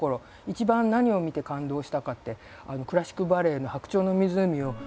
一番何を見て感動したかってクラシックバレエの「白鳥の湖」を。